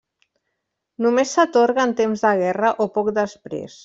Només s'atorga en temps de guerra o poc després.